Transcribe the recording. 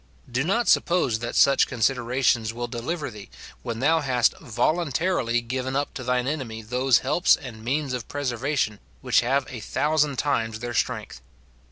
Do not suppose that such considerations will deliver thee, when thou hast voluntarily given up to thine enemy those helps and SIN IN BELIEVERS. 229 means of preservation which have a thousand times their strength.